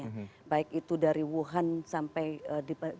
ada persiapan dari tahap tahapannya